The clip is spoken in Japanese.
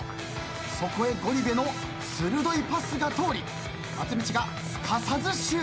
そこへゴリ部の鋭いパスが通り松道がすかさずシュート。